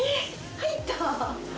入った！